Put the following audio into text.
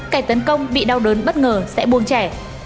kẻ tấn công bị đau đớn bất ngờ sẽ buông trẻ